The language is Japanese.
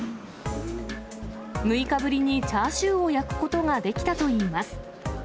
６日ぶりにチャーシューを焼くことができたといいます。